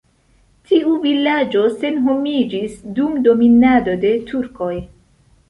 Tiu vilaĝo senhomiĝis dum dominado de turkoj.